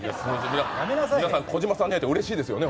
皆さん、児嶋さんに会えてうれしいですよね？